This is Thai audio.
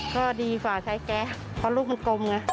ก็ดีฝ่าใช้แก๊สเพราะลูกมันกลมไง